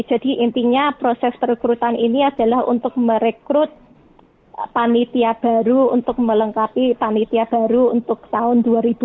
jadi intinya proses perekrutan ini adalah untuk merekrut panitia baru untuk melengkapi panitia baru untuk tahun dua ribu dua puluh empat